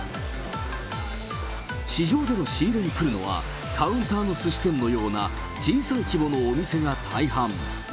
市場での仕入れに来るのは、カウンターのすし店のような小さい規模のお店が大半。